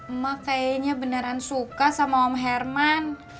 emak kayaknya beneran suka sama om herman